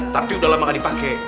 tapi udah lama gak dipakai